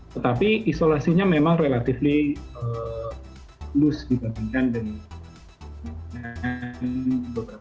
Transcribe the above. tetapi isolasinya memang relatif lus di bapinggan dan beberapa negara yang lain